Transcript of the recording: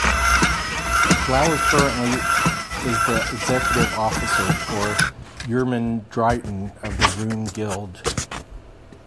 Flowers currently is the executive officer, or "Yrmin-Drighten", of the Rune-Gild.